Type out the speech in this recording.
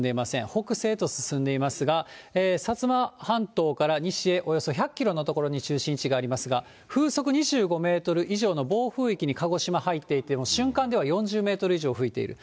北西へと進んでいますが、薩摩半島から西へおよそ１００キロの所に中心位置がありますが、風速２５メートル以上の暴風域に鹿児島入っていて、瞬間では４０メートル以上吹いている。